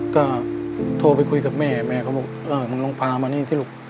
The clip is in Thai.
ก็โทรไปคุยกับแม่แม่ก็บอกผมลองพามานี่ที่หลุด